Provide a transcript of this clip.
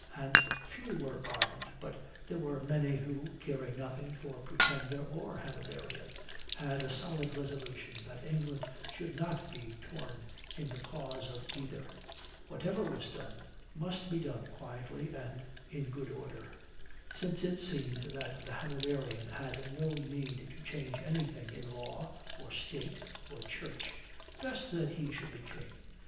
And few were ardent, but there were many who, caring nothing for Pretender or Hanoverian, had a solid resolution that England should not be torn in the cause of either. Whatever was done, must be done quietly and in good order. Since it seemed that the Hanoverian had no need to change anything in law or State or Church, best that he should be king.